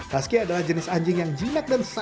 husky adalah jenis anjing yang jinak dan santai